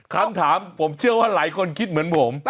คำถามผมเชื่อว่าหลายคนคิดเหมือนผม